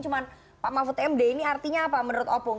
cuma pak mahfud md ini artinya apa menurut opung